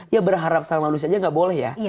yang berharap sama manusia aja gak boleh ya